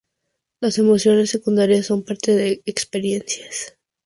Las emociones secundarias son parte de experiencias.